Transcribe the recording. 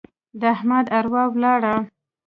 د احمد اروا ولاړه.